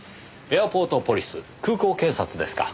エアポートポリス空港警察ですか。